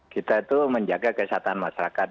kita itu menjaga kesehatan masyarakat